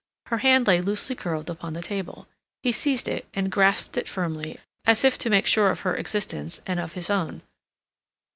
Her hand lay loosely curled upon the table. He seized it and grasped it firmly as if to make sure of her existence and of his own.